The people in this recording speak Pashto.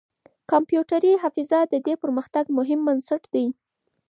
کمپيوټري حافظه د دې پرمختګ مهم بنسټ دی.